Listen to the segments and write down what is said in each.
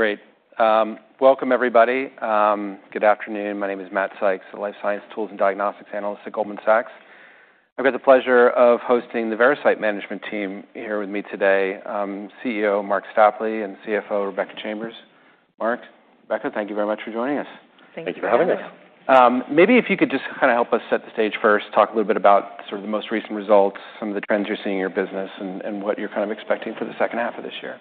Great. Welcome, everybody. Good afternoon. My name is Matt Sykes, a life science tools and diagnostics analyst at Goldman Sachs. I've got the pleasure of hosting the Veracyte management team here with me today, CEO Marc Stapley and CFO Rebecca Chambers. Marc, Rebecca, thank you very much for joining us. Thank you. Thank you for having us. Maybe if you could just kind of help us set the stage first, talk a little bit about sort of the most recent results, some of the trends you're seeing in your business, and what you're kind of expecting for the second half of this year.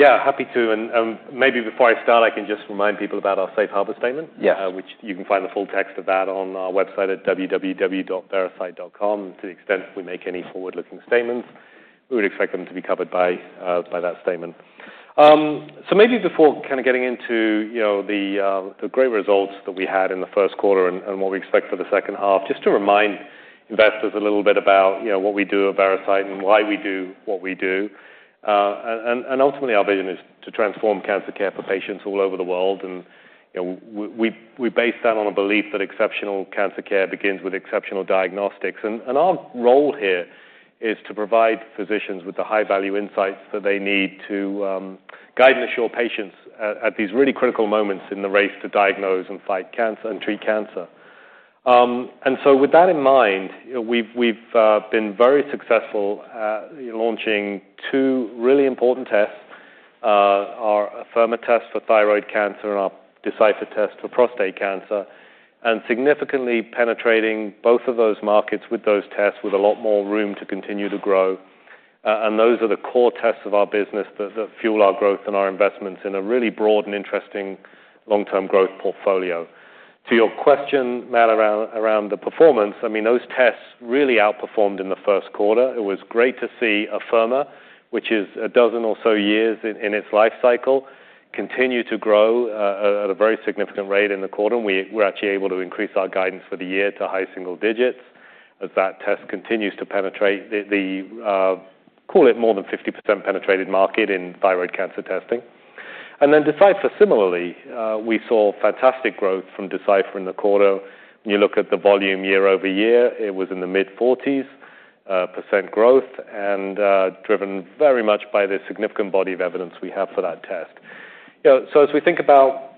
Yeah, happy to. Maybe before I start, I can just remind people about our safe harbor statement. Yes. which you can find the full text of that on our website at www.veracyte.com. To the extent we make any forward-looking statements, we would expect them to be covered by that statement. Maybe before kind of getting into, you know, the great results that we had in the first quarter and what we expect for the second half, just to remind investors a little bit about, you know, what we do at Veracyte and why we do what we do. Ultimately, our vision is to transform cancer care for patients all over the world. You know, we base that on a belief that exceptional cancer care begins with exceptional diagnostics. Our role here is to provide physicians with the high-value insights that they need to guide and assure patients at these really critical moments in the race to diagnose and fight cancer and treat cancer. With that in mind, you know, we've been very successful at launching two really important tests, our Afirma test for thyroid cancer and our Decipher test for prostate cancer, and significantly penetrating both of those markets with those tests, with a lot more room to continue to grow. Those are the core tests of our business that fuel our growth and our investments in a really broad and interesting long-term growth portfolio. To your question, Matt, around the performance, I mean, those tests really outperformed in the first quarter. It was great to see Afirma, which is a dozen or so years in its life cycle, continue to grow at a very significant rate in the quarter, and we're actually able to increase our guidance for the year to high single digits as that test continues to penetrate the, call it more than 50% penetrated market in thyroid cancer testing. Decipher, similarly, we saw fantastic growth from Decipher in the quarter. When you look at the volume year-over-year, it was in the mid-40s % growth, driven very much by the significant body of evidence we have for that test. You know, as we think about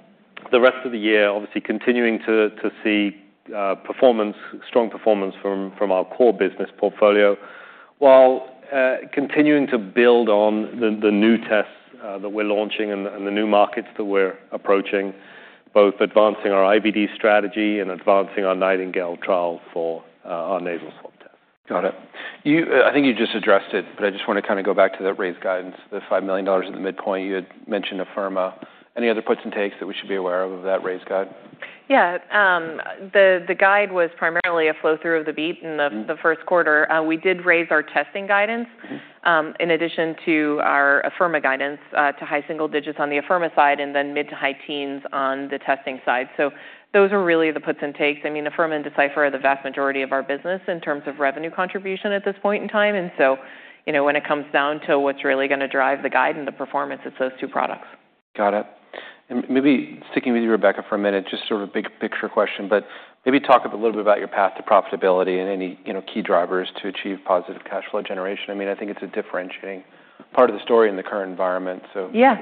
the rest of the year, obviously continuing to see performance, strong performance from our core business portfolio, while continuing to build on the new tests that we're launching and the new markets that we're approaching, both advancing our IVD strategy and advancing our NIGHTINGALE trial for our nasal swab test. Got it. I think you just addressed it, I just want to kind of go back to the raised guidance, the $5 million at the midpoint. You had mentioned Afirma. Any other puts and takes that we should be aware of that raised guide? Yeah, the guide was primarily a flow-through of the beat-. Mm-hmm. In the first quarter. We did raise our testing guidance. Mm-hmm. In addition to our Afirma guidance, to high single digits on the Afirma side and then mid to high teens on the testing side. Those are really the puts and takes. I mean, Afirma and Decipher are the vast majority of our business in terms of revenue contribution at this point in time, you know, when it comes down to what's really gonna drive the guide and the performance, it's those two products. Got it. Maybe sticking with you, Rebecca, for a minute, just sort of a big picture question, maybe talk a little bit about your path to profitability and any, you know, key drivers to achieve positive cash flow generation. I mean, I think it's a differentiating part of the story in the current environment. Yeah,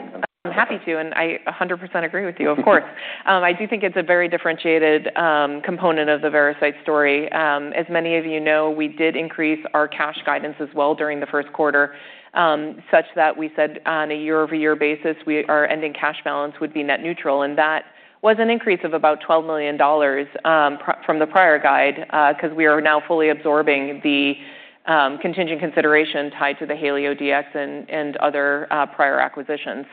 I'm happy to, and I 100% agree with you, of course. I do think it's a very differentiated component of the Veracyte story. As many of you know, we did increase our cash guidance as well during the first quarter, such that we said on a year-over-year basis, our ending cash balance would be net neutral, and that was an increase of about $12 million from the prior guide, 'cause we are now fully absorbing the contingent consideration tied to the HalioDx and other prior acquisitions.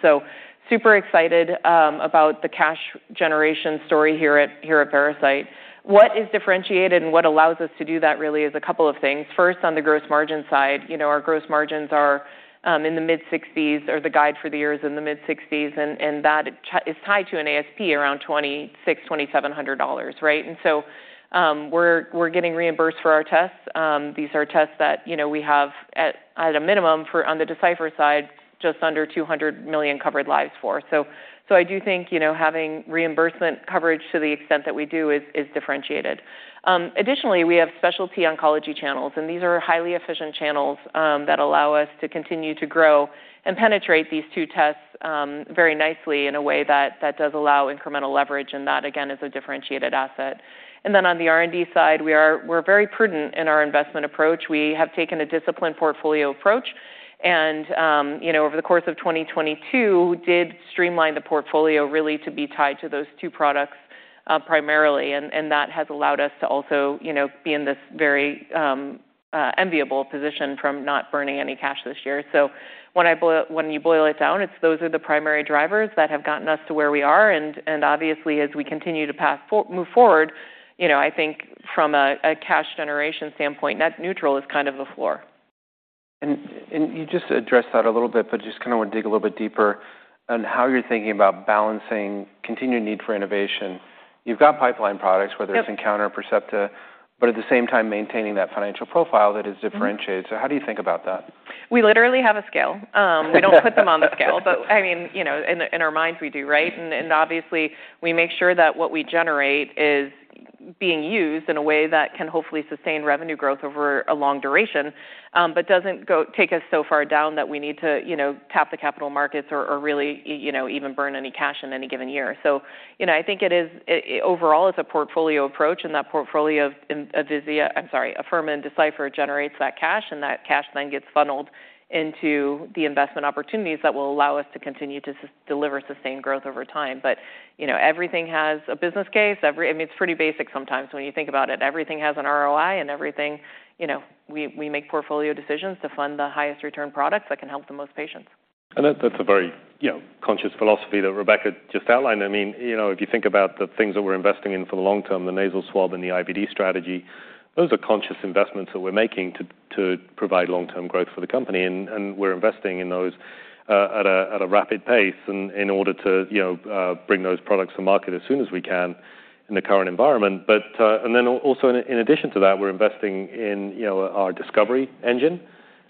Super excited about the cash generation story here at Veracyte. What is differentiated and what allows us to do that really is a couple of things. First, on the gross margin side, you know, our gross margins are in the mid-60s, or the guide for the year is in the mid-60s, and that it is tied to an ASP around $2,600-$2,700, right? We're getting reimbursed for our tests. These are tests that, you know, we have at a minimum for on the Decipher side, just under $200 million covered lives for. I do think, you know, having reimbursement coverage to the extent that we do is differentiated. Additionally, we have specialty oncology channels, and these are highly efficient channels that allow us to continue to grow and penetrate these two tests very nicely in a way that does allow incremental leverage. That, again, is a differentiated asset. On the R&D side, we're very prudent in our investment approach. We have taken a disciplined portfolio approach, you know, over the course of 2022, did streamline the portfolio really to be tied to those two products primarily. That has allowed us to also, you know, be in this very enviable position from not burning any cash this year. When you boil it down, it's those are the primary drivers that have gotten us to where we are, and obviously, as we continue to move forward, you know, I think from a cash generation standpoint, net neutral is kind of the floor. You just addressed that a little bit, but just kinda wanna dig a little bit deeper on how you're thinking about balancing continued need for innovation. You've got pipeline products. Yep. whether it's nCounter, Percepta, but at the same time maintaining that financial profile that is differentiated. Mm-hmm. How do you think about that? We literally have a scale. We don't put them on the scale, but I mean, you know, in our minds, we do, right? Obviously, we make sure that what we generate is, you know... being used in a way that can hopefully sustain revenue growth over a long duration, but doesn't take us so far down that we need to, you know, tap the capital markets or really, you know, even burn any cash in any given year. You know, I think it is, overall, it's a portfolio approach, and that portfolio of Envisia, I'm sorry, Afirma and Decipher generates that cash, and that cash then gets funneled into the investment opportunities that will allow us to continue to deliver sustained growth over time. You know, everything has a business case. I mean, it's pretty basic sometimes when you think about it. Everything has an ROI and everything, you know, we make portfolio decisions to fund the highest return products that can help the most patients. That's a very, you know, conscious philosophy that Rebecca just outlined. I mean, you know, if you think about the things that we're investing in for the long term, the nasal swab and the IVD strategy, those are conscious investments that we're making to provide long-term growth for the company, and we're investing in those at a rapid pace in order to, you know, bring those products to market as soon as we can in the current environment. Then also in addition to that, we're investing in, you know, our discovery engine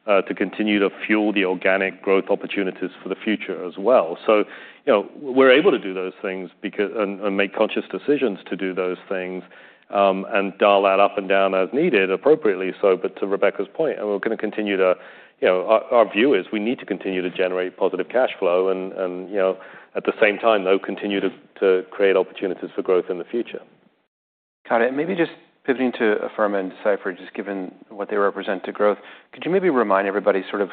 to continue to fuel the organic growth opportunities for the future as well. You know, we're able to do those things and make conscious decisions to do those things, and dial that up and down as needed appropriately so. To Rebecca's point, and we're gonna continue to, you know, our view is we need to continue to generate positive cash flow and, you know, at the same time, though, continue to create opportunities for growth in the future. Got it. Maybe just pivoting to Afirma and Decipher, just given what they represent to growth, could you maybe remind everybody sort of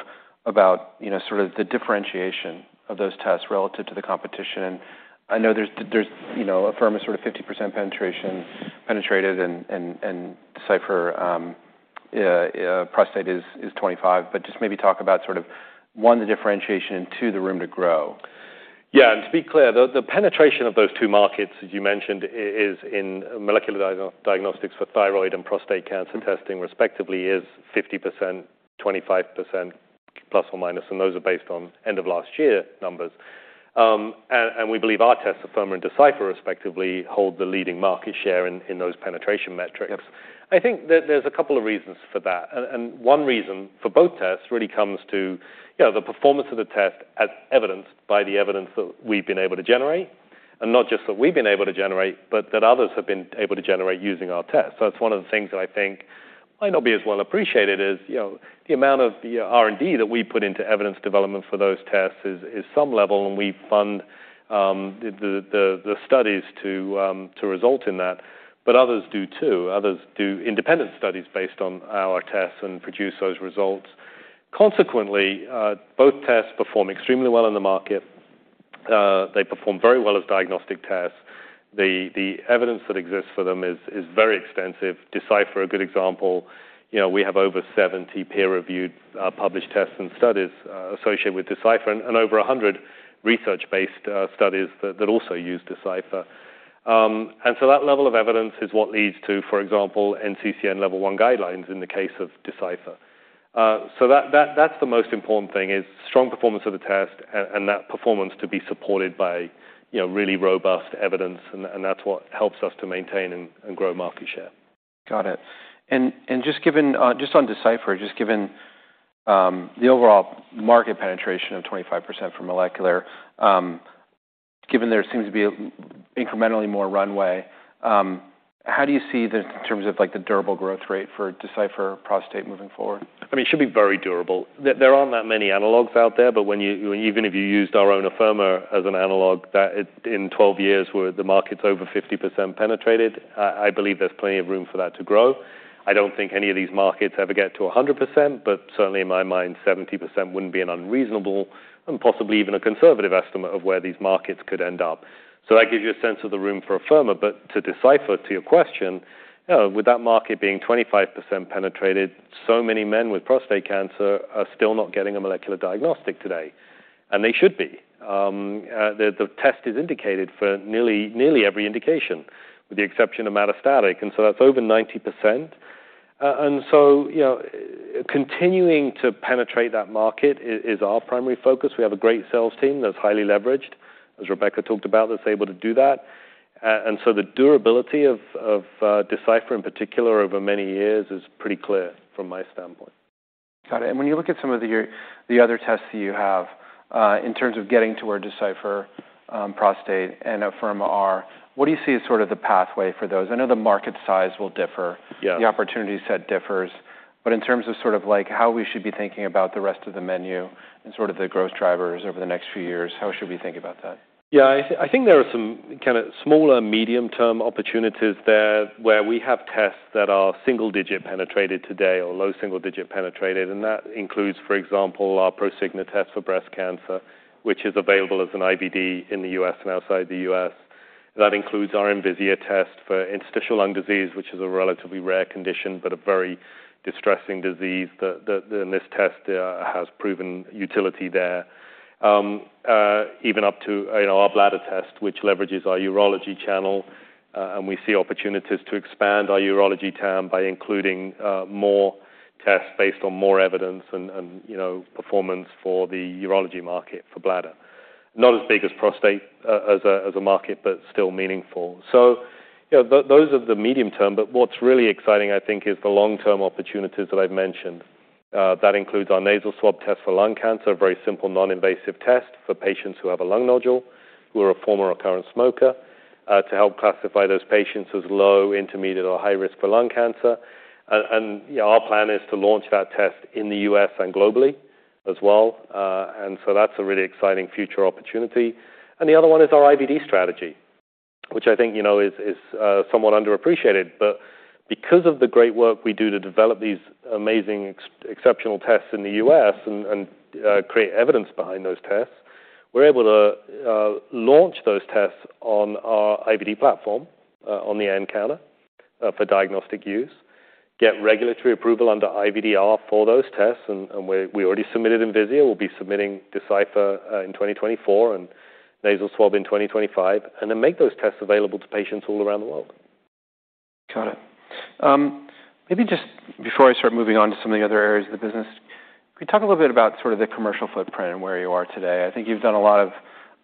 about, you know, sort of the differentiation of those tests relative to the competition? I know there's, you know, Afirma sort of 50% penetrated, and Decipher, yeah, prostate is 25. Just maybe talk about sort of, one, the differentiation, and two, the room to grow. To be clear, the penetration of those two markets, as you mentioned, is in molecular diagnostics for thyroid and prostate cancer testing, respectively, is 50%, 25% ±, and those are based on end of last year numbers. We believe our tests, Afirma and Decipher, respectively, hold the leading market share in those penetration metrics. Yep. I think there's a couple of reasons for that. One reason for both tests really comes to, you know, the performance of the test, as evidenced by the evidence that we've been able to generate, and not just that we've been able to generate, but that others have been able to generate using our test. That's one of the things that I think might not be as well appreciated is, you know, the amount of the R&D that we put into evidence development for those tests is some level, and we fund the studies to result in that, but others do, too. Others do independent studies based on our tests and produce those results. Consequently, both tests perform extremely well in the market. They perform very well as diagnostic tests. The evidence that exists for them is very extensive. Decipher, a good example, you know, we have over 70 peer-reviewed, published tests and studies, associated with Decipher and over 100 research-based studies that also use Decipher. That level of evidence is what leads to, for example, NCCN Category one guidelines in the case of Decipher. That's the most important thing, is strong performance of the test and that performance to be supported by, you know, really robust evidence, and that's what helps us to maintain and grow market share. Got it. Just given, just on Decipher, just given, the overall market penetration of 25% for molecular, given there seems to be incrementally more runway, how do you see in terms of, like, the durable growth rate for Decipher prostate moving forward? I mean, it should be very durable. There aren't that many analogs out there, but when even if you used our own Afirma as an analog, that in 12 years, where the market's over 50% penetrated, I believe there's plenty of room for that to grow. I don't think any of these markets ever get to 100%, but certainly in my mind, 70% wouldn't be an unreasonable and possibly even a conservative estimate of where these markets could end up. That gives you a sense of the room for Afirma. To Decipher, to your question, with that market being 25% penetrated, so many men with prostate cancer are still not getting a molecular diagnostic today, and they should be. The test is indicated for nearly every indication, with the exception of metastatic, and so that's over 90%. You know, continuing to penetrate that market is our primary focus. We have a great sales team that's highly leveraged, as Rebecca talked about, that's able to do that. The durability of Decipher, in particular, over many years is pretty clear from my standpoint. Got it. When you look at some of the other tests you have, in terms of getting to where Decipher prostate and Afirma are, what do you see as sort of the pathway for those? I know the market size will differ. Yeah. The opportunity set differs. In terms of sort of like how we should be thinking about the rest of the menu and sort of the growth drivers over the next few years, how should we think about that? I think there are some kinda small and medium-term opportunities there, where we have tests that are single-digit penetrated today or low single-digit penetrated, and that includes, for example, our Prosigna test for breast cancer, which is available as an IVD in the U.S. and outside the U.S. That includes our Envisia test for interstitial lung disease, which is a relatively rare condition, but a very distressing disease, and this test has proven utility there. Even up to, you know, our bladder test, which leverages our urology channel, and we see opportunities to expand our urology TAM by including more tests based on more evidence and, you know, performance for the urology market for bladder. Not as big as prostate as a market, but still meaningful. You know, those are the medium term, but what's really exciting, I think, is the long-term opportunities that I've mentioned. That includes our Percepta Nasal Swab test for lung cancer, a very simple, non-invasive test for patients who have a lung nodule, who are a former or current smoker, to help classify those patients as low, intermediate, or high risk for lung cancer. You know, our plan is to launch that test in the U.S. and globally as well. That's a really exciting future opportunity. The other one is our IVD strategy, which I think, you know, is somewhat underappreciated. Because of the great work we do to develop these amazing exceptional tests in the U.S. and create evidence behind those tests, we're able to launch those tests on our IVD platform on the nCounter for diagnostic use, get regulatory approval under IVDR for those tests, and we already submitted Envisia. We'll be submitting Decipher in 2024, and nasal swab in 2025, make those tests available to patients all around the world. Got it. Maybe just before I start moving on to some of the other areas of the business, can you talk a little bit about sort of the commercial footprint and where you are today? I think you've done a lot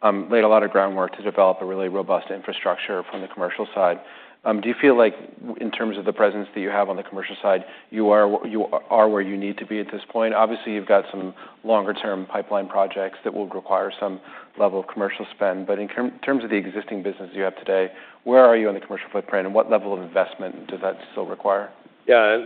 of, laid a lot of groundwork to develop a really robust infrastructure from the commercial side. Do you feel like in terms of the presence that you have on the commercial side, you are where you need to be at this point? Obviously, you've got some longer-term pipeline projects that will require some level of commercial spend, but in terms of the existing business you have today, where are you on the commercial footprint, and what level of investment does that still require? Yeah,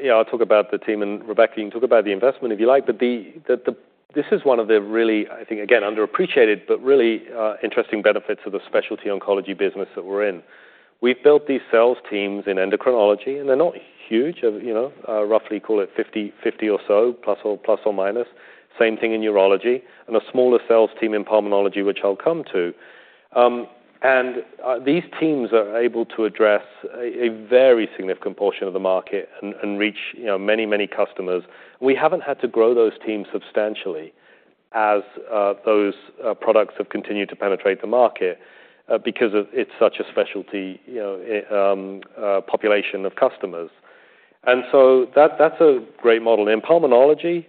you know, I'll talk about the team, and Rebecca, you can talk about the investment if you like. This is one of the really, I think, again, underappreciated, but really, interesting benefits of the specialty oncology business that we're in. We've built these sales teams in endocrinology, and they're not huge, you know, roughly call it 50 or so, plus or minus. Same thing in urology, and a smaller sales team in pulmonology, which I'll come to. These teams are able to address a very significant portion of the market and reach, you know, many, many customers. We haven't had to grow those teams substantially as those products have continued to penetrate the market, because of it's such a specialty, you know, population of customers. That's a great model. In pulmonology,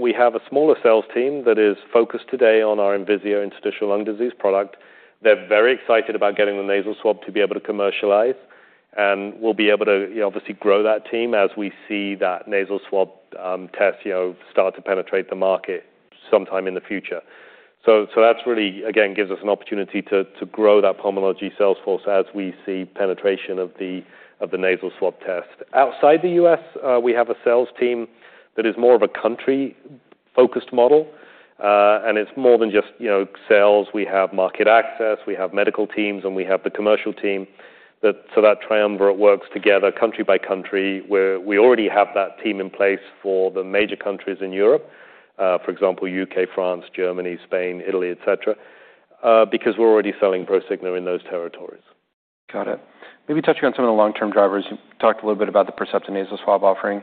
we have a smaller sales team that is focused today on our Envisia interstitial lung disease product. They're very excited about getting the Nasal Swab to be able to commercialize, and we'll be able to, you know, obviously grow that team as we see that Nasal Swab test, you know, start to penetrate the market sometime in the future. That's really, again, gives us an opportunity to grow that pulmonology sales force as we see penetration of the Nasal Swab test. Outside the U.S., we have a sales team that is more of a country-focused model, and it's more than just, you know, sales. We have market access, we have medical teams, and we have the commercial team, so that triumvirate works together country by country, where we already have that team in place for the major countries in Europe, for example, UK, France, Germany, Spain, Italy, et cetera, because we're already selling Prosigna in those territories. Got it. Maybe touching on some of the long-term drivers, you talked a little bit about the Percepta Nasal Swab offering.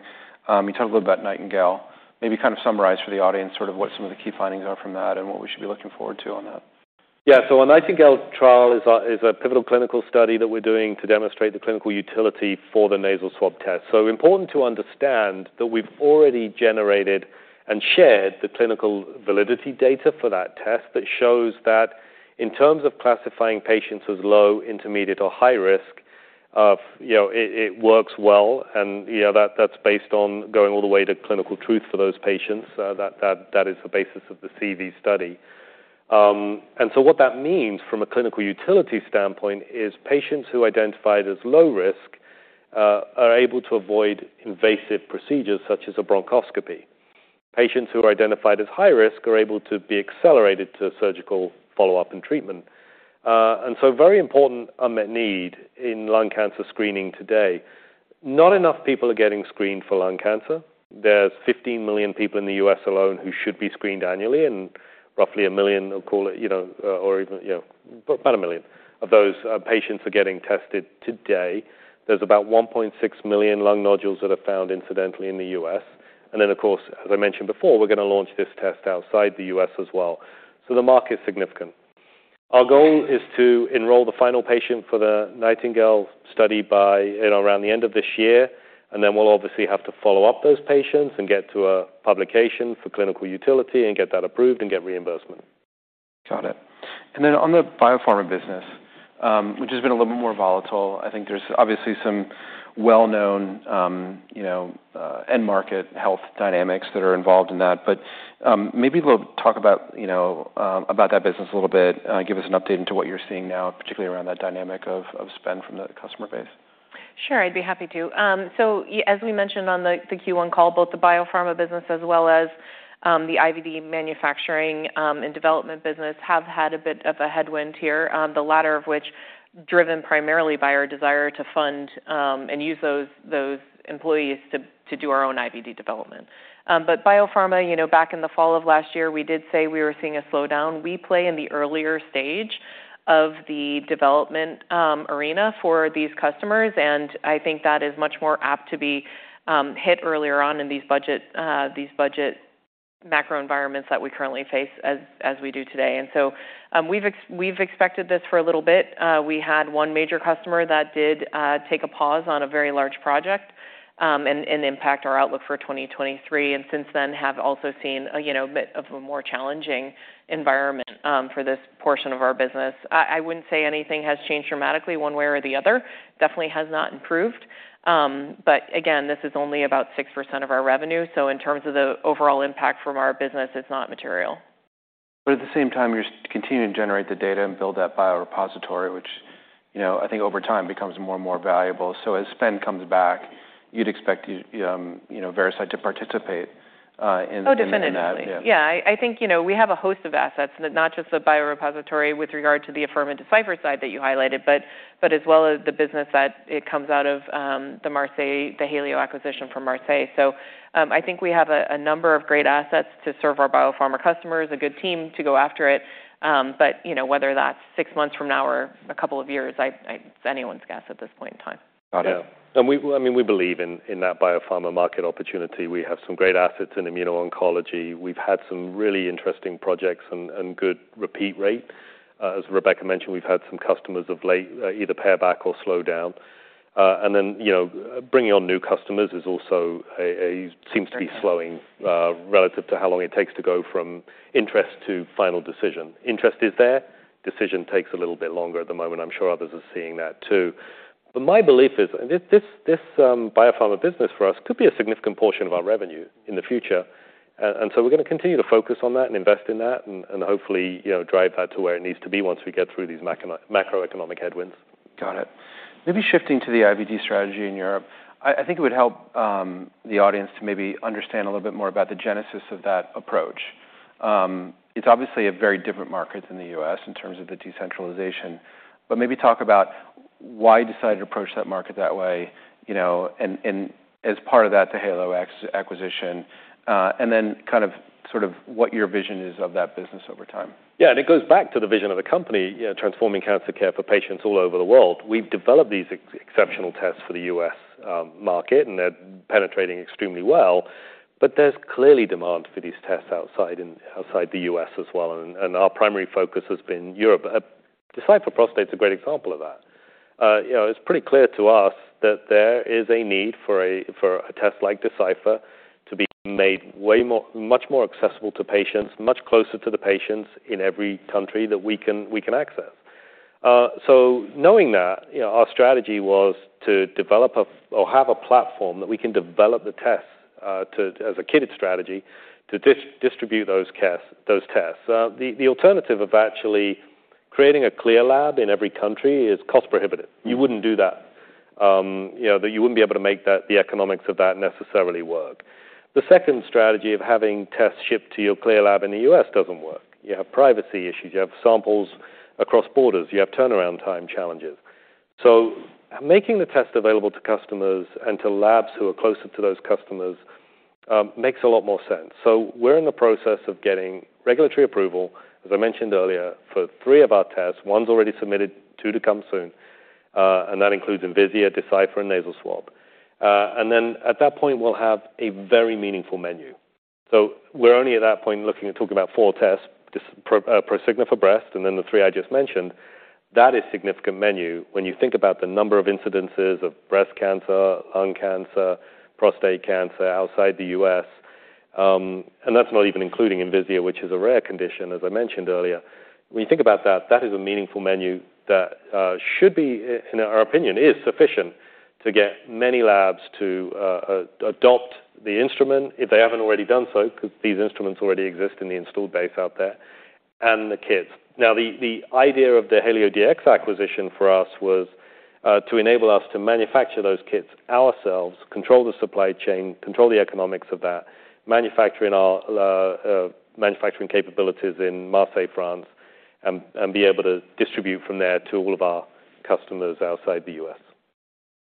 You talked a little about NIGHTINGALE. Maybe kind of summarize for the audience, sort of what some of the key findings are from that and what we should be looking forward to on that. A NIGHTINGALE trial is a pivotal clinical study that we're doing to demonstrate the clinical utility for the Nasal Swab test. Important to understand that we've already generated and shared the clinical validity data for that test, that shows that in terms of classifying patients as low, intermediate, or high risk, you know, it works well, and, you know, that's based on going all the way to clinical truth for those patients. That is the basis of the CV study. What that means from a clinical utility standpoint is patients who identified as low risk are able to avoid invasive procedures, such as a bronchoscopy. Patients who are identified as high risk are able to be accelerated to surgical follow-up and treatment. Very important unmet need in lung cancer screening today. Not enough people are getting screened for lung cancer. There's 15 million people in the US alone who should be screened annually, and roughly 1 million, I'll call it, you know, or even, you know, about 1 million of those patients are getting tested today. There's about 1.6 million lung nodules that are found incidentally in the US. Of course, as I mentioned before, we're gonna launch this test outside the US as well. The market is significant. Our goal is to enroll the final patient for the NIGHTINGALE study by, you know, around the end of this year, and then we'll obviously have to follow up those patients and get to a publication for clinical utility and get that approved and get reimbursement. Got it. On the biopharma business, which has been a little more volatile, I think there's obviously some well-known, you know, end market health dynamics that are involved in that. Maybe we'll talk about, you know, about that business a little bit, give us an update into what you're seeing now, particularly around that dynamic of spend from the customer base. Sure, I'd be happy to. As we mentioned on the Q1 call, both the biopharma business as well as the IVD manufacturing and development business, have had a bit of a headwind here, the latter of which, driven primarily by our desire to fund and use those employees to do our own IVD development. Biopharma, you know, back in the fall of last year, we did say we were seeing a slowdown. We play in the earlier stage of the development arena for these customers, and I think that is much more apt to be hit earlier on in these budget macro environments that we currently face as we do today. We've expected this for a little bit. We had 1 major customer that did take a pause on a very large project, and impact our outlook for 2023. Since then, have also seen a, you know, bit of a more challenging environment, for this portion of our business. I wouldn't say anything has changed dramatically one way or the other. Definitely has not improved. Again, this is only about 6% of our revenue, so in terms of the overall impact from our business, it's not material.... At the same time, you're continuing to generate the data and build that biorepository, which, you know, I think over time becomes more and more valuable. As spend comes back, you'd expect, you know, Veracyte to participate. Oh, definitely. Yeah. Yeah, I think, you know, we have a host of assets, not just the biorepository with regard to the Afirma Decipher side that you highlighted, but as well as the business that it comes out of, the Marseille, the Halio acquisition from Marseille. I think we have a number of great assets to serve our biopharma customers, a good team to go after it. You know, whether that's six months from now or a couple of years, it's anyone's guess at this point in time. Got it. Yeah. I mean, we believe in that biopharma market opportunity. We have some great assets in immuno-oncology. We've had some really interesting projects and good repeat rate. As Rebecca mentioned, we've had some customers of late, either pare back or slow down. Then, you know, bringing on new customers is also seems to be slowing, relative to how long it takes to go from interest to final decision. Interest is there, decision takes a little bit longer at the moment. I'm sure others are seeing that, too. My belief is, and this biopharma business for us could be a significant portion of our revenue in the future. We're gonna continue to focus on that and invest in that and, hopefully, you know, drive that to where it needs to be once we get through these macroeconomic headwinds. Got it. Maybe shifting to the IVD strategy in Europe, I think it would help the audience to maybe understand a little bit more about the genesis of that approach. It's obviously a very different market than the US in terms of the decentralization, but maybe talk about why you decided to approach that market that way, you know, and as part of that, the Halio acquisition, and then kind of sort of what your vision is of that business over time. It goes back to the vision of the company, you know, transforming cancer care for patients all over the world. We've developed these exceptional tests for the U.S. market, and they're penetrating extremely well, but there's clearly demand for these tests outside the U.S. as well, and our primary focus has been Europe. Decipher Prostate is a great example of that. You know, it's pretty clear to us that there is a need for a test like Decipher to be made much more accessible to patients, much closer to the patients in every country that we can access. Knowing that, you know, our strategy was to have a platform that we can develop the tests as a kitted strategy, to distribute those tests. The alternative of actually creating a CLIA lab in every country is cost prohibitive. You wouldn't do that. You know, that you wouldn't be able to make that, the economics of that necessarily work. The second strategy of having tests shipped to your CLIA lab in the U.S. doesn't work. You have privacy issues, you have samples across borders, you have turnaround time challenges. Making the test available to customers and to labs who are closer to those customers, makes a lot more sense. We're in the process of getting regulatory approval, as I mentioned earlier, for three of our tests. One's already submitted, two to come soon, and that includes Envisia, Decipher, and Nasal Swab. Then at that point, we'll have a very meaningful menu. We're only at that point, looking at talking about four tests, Prosigna for breast, and then the three I just mentioned. That is significant menu when you think about the number of incidences of breast cancer, lung cancer, prostate cancer outside the US. And that's not even including Envisia, which is a rare condition, as I mentioned earlier. When you think about that is a meaningful menu that should be, in our opinion, is sufficient to get many labs to adopt the instrument, if they haven't already done so, because these instruments already exist in the installed base out there, and the kits. Now, the idea of the HalioDx acquisition for us was to enable us to manufacture those kits ourselves, control the supply chain, control the economics of that, manufacturing our manufacturing capabilities in Marseille, France, and be able to distribute from there to all of our customers outside the U.S.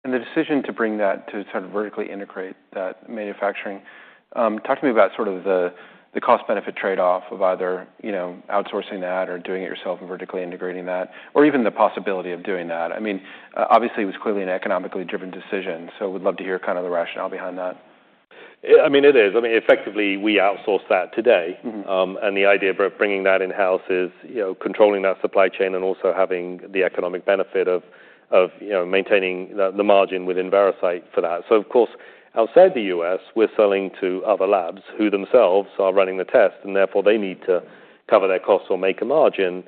The decision to bring that, to sort of vertically integrate that manufacturing, talk to me about sort of the cost benefit trade-off of either, you know, outsourcing that or doing it yourself and vertically integrating that, or even the possibility of doing that? I mean, obviously, it was clearly an economically driven decision, would love to hear kind of the rationale behind that. I mean, it is. I mean, effectively, we outsource that today. Mm-hmm. The idea of bringing that in-house is, you know, controlling that supply chain and also having the economic benefit of, you know, maintaining the margin within Veracyte for that. Of course, outside the US, we're selling to other labs who themselves are running the test, and therefore, they need to cover their costs or make a margin.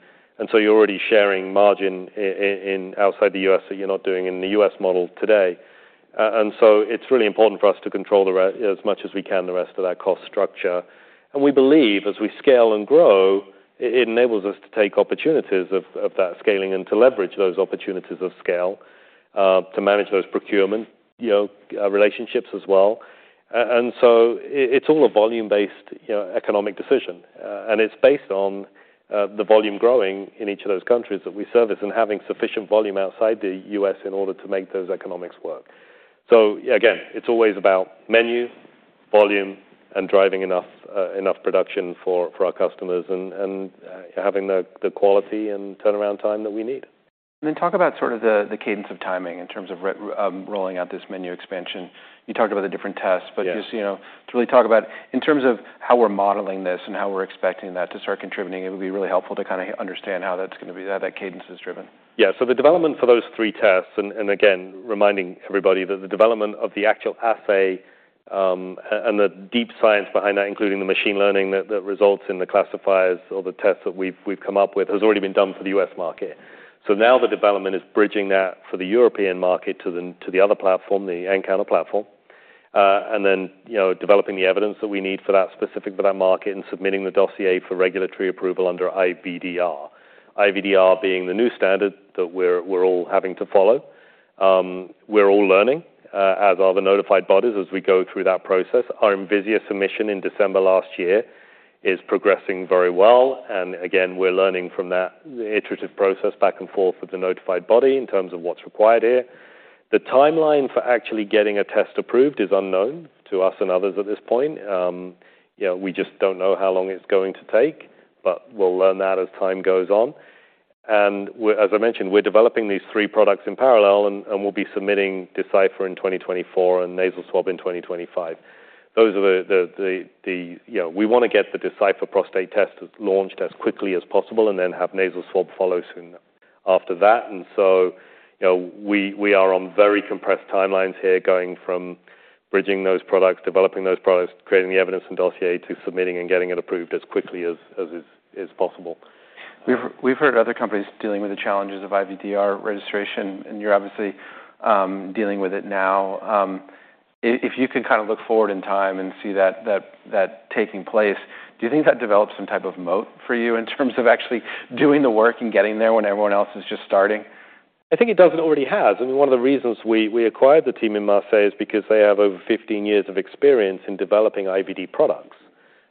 You're already sharing margin in, outside the US, that you're not doing in the US model today. It's really important for us to control as much as we can, the rest of that cost structure. We believe as we scale and grow, it enables us to take opportunities of that scaling and to leverage those opportunities of scale to manage those procurement, you know, relationships as well. It's all a volume-based, you know, economic decision, and it's based on the volume growing in each of those countries that we service and having sufficient volume outside the U.S. in order to make those economics work. Again, it's always about menu, volume, and driving enough production for our customers and having the quality and turnaround time that we need. Talk about sort of the cadence of timing in terms of rolling out this menu expansion. You talked about the different tests. Yeah. Just, you know, to really talk about in terms of how we're modeling this and how we're expecting that to start contributing, it would be really helpful to kinda understand how that's gonna be, how that cadence is driven. The development for those three tests, and again, reminding everybody that the development of the actual assay, and the deep science behind that, including the machine learning that results in the classifiers or the tests that we've come up with, has already been done for the U.S. market. Now the development is bridging that for the European market to the other platform, the Onco platform. You know, developing the evidence that we need for that specific for that market and submitting the dossier for regulatory approval under IVDR. IVDR being the new standard that we're all having to follow. We're all learning, as are the notified bodies as we go through that process. Our Envisia submission in December last year is progressing very well. Again, we're learning from that, the iterative process back and forth with the notified body in terms of what's required here. The timeline for actually getting a test approved is unknown to us and others at this point. You know, we just don't know how long it's going to take, but we'll learn that as time goes on. As I mentioned, we're developing these three products in parallel, and we'll be submitting Decipher in 2024 and Nasal Swab in 2025. Those are the, you know, we wanna get the Decipher prostate test launched as quickly as possible and then have Nasal Swab follow soon after that. You know, we are on very compressed timelines here, going from bridging those products, developing those products, creating the evidence and dossier, to submitting and getting it approved as quickly as is possible. We've heard other companies dealing with the challenges of IVDR registration, and you're obviously dealing with it now. If you could kind of look forward in time and see that taking place, do you think that develops some type of moat for you in terms of actually doing the work and getting there when everyone else is just starting? I think it does, and it already has, and one of the reasons we acquired the team in Marseille is because they have over 15 years of experience in developing IVD products.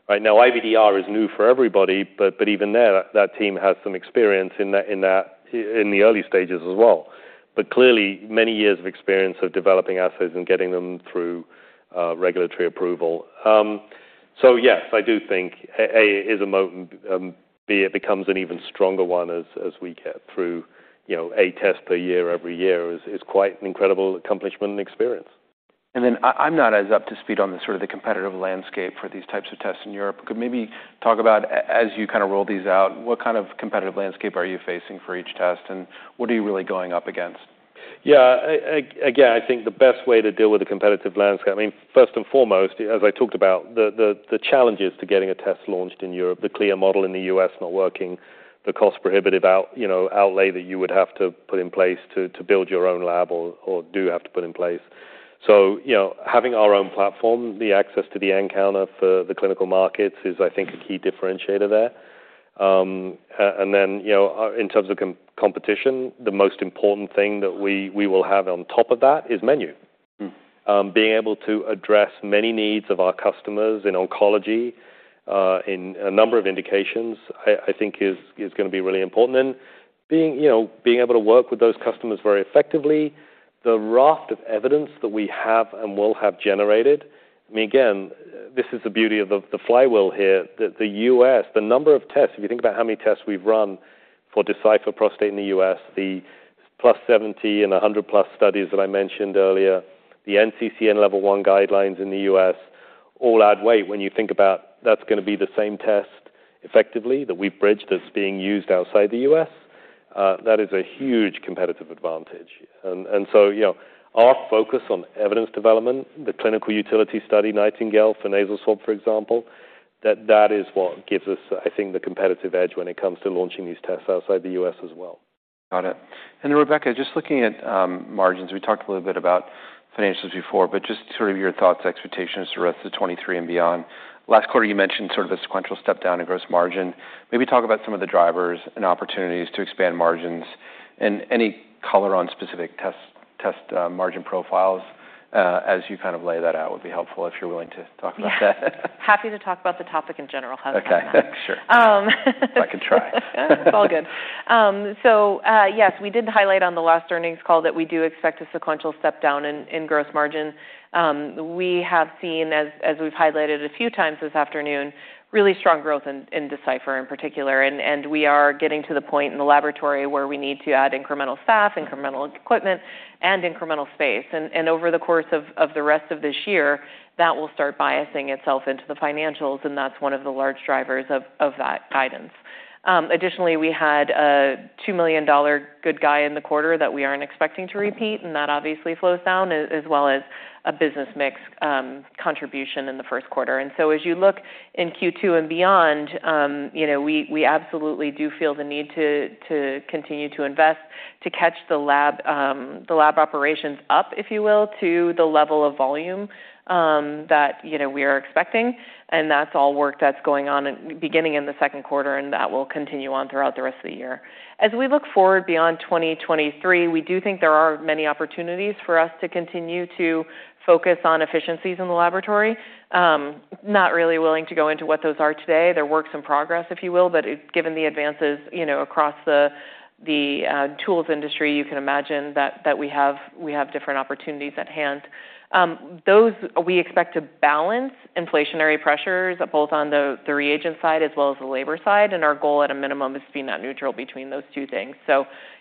Right now, IVDR is new for everybody, but even there, that team has some experience in that, in the early stages as well. Clearly, many years of experience of developing assets and getting them through regulatory approval. Yes, I do think, A, is a moat, and B, it becomes an even stronger one as we get through. You know, a test per year every year is quite an incredible accomplishment and experience. I'm not as up to speed on the sort of the competitive landscape for these types of tests in Europe. Could maybe talk about as you kind of roll these out, what kind of competitive landscape are you facing for each test, and what are you really going up against? Again, I think the best way to deal with the competitive landscape. I mean, first and foremost, as I talked about, the challenges to getting a test launched in Europe, the clear model in the U.S. not working, the cost prohibitive outlay that you would have to put in place to build your own lab or do have to put in place. Having our own platform, the access to the nCounter for the clinical markets, is, I think, a key differentiator there. You know, in terms of competition, the most important thing that we will have on top of that is menu. Mm. Being able to address many needs of our customers in oncology, in a number of indications, I think is gonna be really important. Being, you know, being able to work with those customers very effectively, the raft of evidence that we have and will have generated... I mean, again, this is the beauty of the flywheel here, that the U.S., the number of tests, if you think about how many tests we've run for Decipher prostate in the U.S., the plus 70 and 100+ studies that I mentioned earlier, the NCCN level one guidelines in the U.S. all add weight. When you think about that's gonna be the same test effectively that we've bridged, that's being used outside the U.S., that is a huge competitive advantage. You know, our focus on evidence development, the clinical utility study, NIGHTINGALE, for nasal swab, for example, that is what gives us, I think, the competitive edge when it comes to launching these tests outside the U.S. as well. Got it. Rebecca, just looking at, margins, we talked a little bit about financials before, but just sort of your thoughts, expectations for 2023 and beyond. Last quarter, you mentioned sort of a sequential step down in gross margin. Maybe talk about some of the drivers and opportunities to expand margins, and any color on specific test margin profiles, as you kind of lay that out, would be helpful, if you're willing to talk about that. Happy to talk about the topic in general, how's that? Okay, sure. Um, I can try. It's all good. Yes, we did highlight on the last earnings call that we do expect a sequential step down in gross margin. We have seen, as we've highlighted a few times this afternoon, really strong growth in Decipher in particular, and we are getting to the point in the laboratory where we need to add incremental staff, incremental equipment, and incremental space. Over the course of the rest of this year, that will start biasing itself into the financials, and that's one of the large drivers of that guidance. Additionally, we had a $2 million good guy in the quarter that we aren't expecting to repeat, and that obviously flows down, as well as a business mix, contribution in the first quarter. As you look in Q2 and beyond, you know, we absolutely do feel the need to continue to invest, to catch the lab, the lab operations up, if you will, to the level of volume, that, you know, we are expecting. That's all work that's going on beginning in the second quarter, and that will continue on throughout the rest of the year. As we look forward beyond 2023, we do think there are many opportunities for us to continue to focus on efficiencies in the laboratory. Not really willing to go into what those are today. They're works in progress, if you will, given the advances, you know, across the tools industry, you can imagine that, we have different opportunities at hand. Those. We expect to balance inflationary pressures, both on the reagent side as well as the labor side, and our goal at a minimum is to be net neutral between those two things.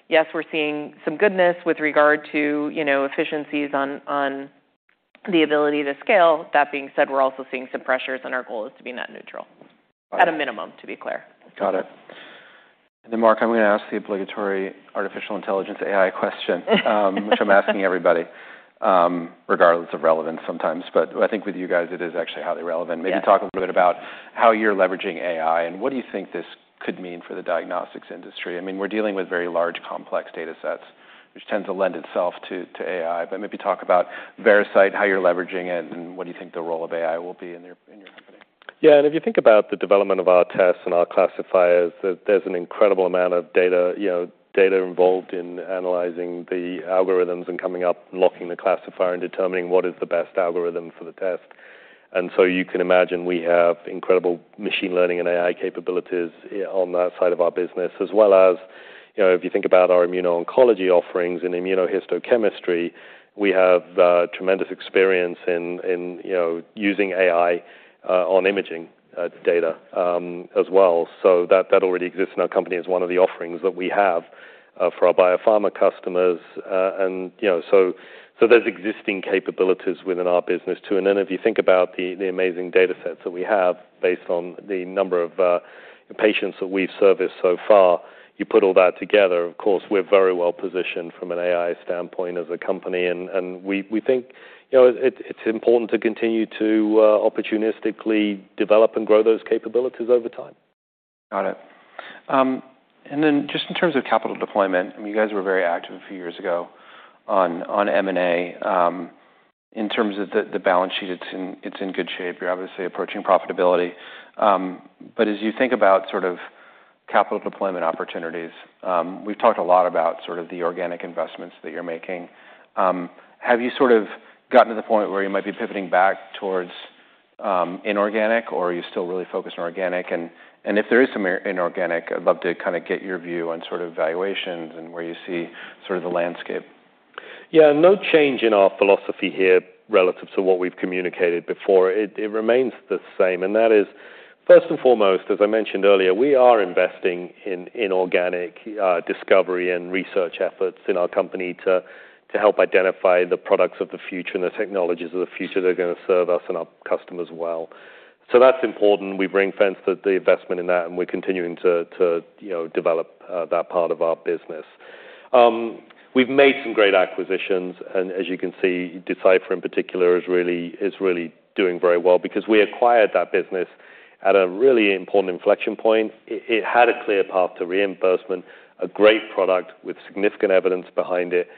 Yes, we're seeing some goodness with regard to, you know, efficiencies on the ability to scale. That being said, we're also seeing some pressures, and our goal is to be net neutral. Got it. at a minimum, to be clear. Got it. Marc, I'm gonna ask the obligatory artificial intelligence, AI, question, which I'm asking everybody, regardless of relevance sometimes. I think with you guys, it is actually highly relevant. Yes. Maybe talk a little bit about how you're leveraging AI, what do you think this could mean for the diagnostics industry? I mean, we're dealing with very large, complex data sets, which tends to lend itself to AI. Maybe talk about Veracyte, how you're leveraging it, and what do you think the role of AI will be in your company?... Yeah, if you think about the development of our tests and our classifiers, there's an incredible amount of data, you know, data involved in analyzing the algorithms and coming up and locking the classifier and determining what is the best algorithm for the test. You can imagine we have incredible machine learning and AI capabilities on that side of our business, as well as, you know, if you think about our immuno-oncology offerings and immunohistochemistry, we have tremendous experience in, you know, using AI on imaging data as well. That already exists in our company as one of the offerings that we have for our biopharma customers. You know, so there's existing capabilities within our business, too. If you think about the amazing datasets that we have based on the number of patients that we've serviced so far, you put all that together, of course, we're very well-positioned from an AI standpoint as a company, and we think, you know, it's important to continue to opportunistically develop and grow those capabilities over time. Got it. Just in terms of capital deployment, I mean, you guys were very active a few years ago on M&A. In terms of the balance sheet, it's in, it's in good shape. You're obviously approaching profitability. As you think about sort of capital deployment opportunities, we've talked a lot about sort of the organic investments that you're making. Have you sort of gotten to the point where you might be pivoting back towards, inorganic, or are you still really focused on organic? If there is some in-inorganic, I'd love to kinda get your view on sort of valuations and where you see sort of the landscape. Yeah, no change in our philosophy here relative to what we've communicated before. It remains the same, and that is, first and foremost, as I mentioned earlier, we are investing in inorganic discovery and research efforts in our company to help identify the products of the future and the technologies of the future that are gonna serve us and our customers well. That's important. We bring fence to the investment in that, and we're continuing to, you know, develop that part of our business. We've made some great acquisitions, and as you can see, Decipher, in particular, is really doing very well because we acquired that business at a really important inflection point. It had a clear path to reimbursement, a great product with significant evidence behind it,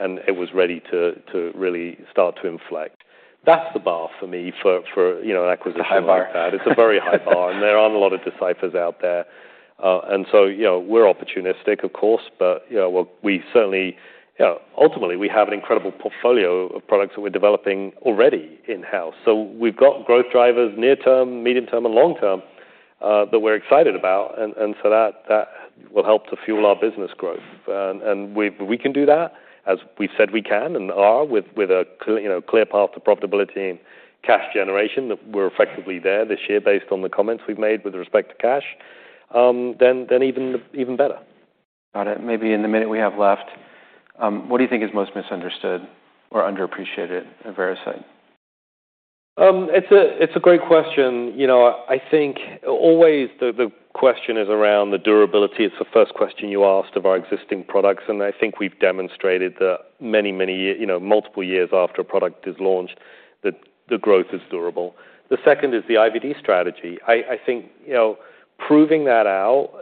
and it was ready to really start to inflect. That's the bar for me for you know, an acquisition like that. It's a high bar. It's a very high bar, and there aren't a lot of Decipher out there. You know, we're opportunistic, of course, but, you know, we certainly, you know... Ultimately, we have an incredible portfolio of products that we're developing already in-house. We've got growth drivers, near term, medium term, and long term, that we're excited about. That will help to fuel our business growth. If we can do that, as we've said we can and are, with, you know, clear path to profitability and cash generation, that we're effectively there this year based on the comments we've made with respect to cash, even better. Got it. Maybe in the minute we have left, what do you think is most misunderstood or underappreciated at Veracyte? It's a, it's a great question. You know, I think always the question is around the durability. It's the first question you asked of our existing products, and I think we've demonstrated that many, many years, you know, multiple years after a product is launched, that the growth is durable. The second is the IVD strategy. I think, you know, proving that out,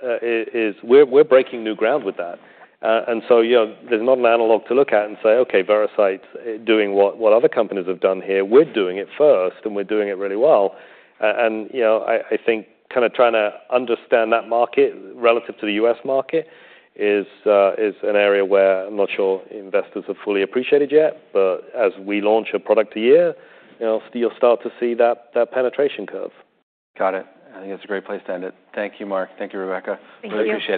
we're breaking new ground with that. You know, there's not an analog to look at and say, "Okay, Veracyte's doing what other companies have done here." We're doing it first, and we're doing it really well. You know, I think kinda trying to understand that market relative to the U.S. market is an area where I'm not sure investors have fully appreciated yet. As we launch a product a year, you know, you'll start to see that penetration curve. Got it. I think that's a great place to end it. Thank you, Marc. Thank you, Rebecca. Thank you. Really appreciate it.